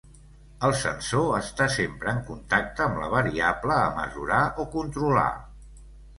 El sensor està sempre en contacte amb la variable a mesurar o controlar.